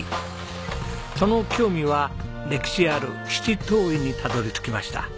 その興味は歴史ある七島藺にたどり着きました。